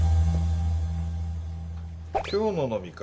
今日の飲み会